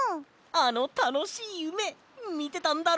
あのたのしいゆめみてたんだろ？